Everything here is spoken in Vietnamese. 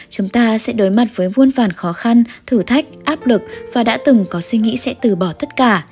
chúng ta sẽ đối mặt với muôn vàn khó khăn thử thách áp lực và đã từng có suy nghĩ sẽ từ bỏ tất cả